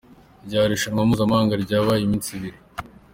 Ryari irushanwa mpuzamahanga ryabaye iminsi ibiri .